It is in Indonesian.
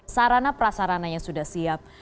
sarana prasarananya sudah siap